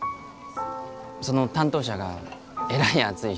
その担当者がえらい熱い人で。